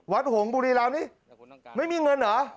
หงบุรีรามนี้ไม่มีเงินเหรอ